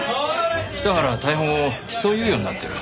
北原は逮捕後起訴猶予になってる。